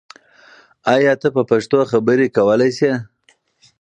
آیا ته په پښتو خبرې کولای شې؟